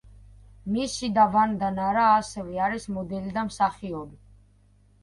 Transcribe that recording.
მისი და ვანდა ნარა, ასევე არის მოდელი და მსახიობი.